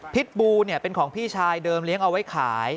บูเป็นของพี่ชายเดิมเลี้ยงเอาไว้ขาย